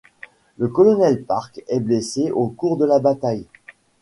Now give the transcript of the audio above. Le colonel Park est blessé au cours de la bataille.